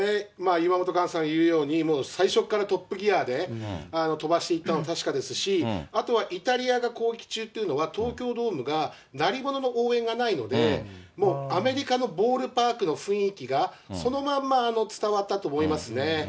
岩本、岩さん言うように、もう最初からトップギアで、飛ばしていったの確かですし、あとはイタリアの攻撃中というのは、東京ドームが鳴り物の応援がないので、もうアメリカのボールパークの雰囲気がそのまま伝わったと思いますね。